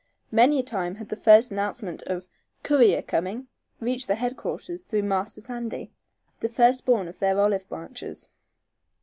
Many a time had the first announcement of "courier coming" reached headquarters through Master Sandy, the first born of their olive branches.